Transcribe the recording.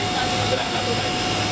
di perairan natuna ini